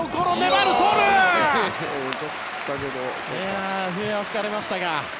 笛は吹かれましたが。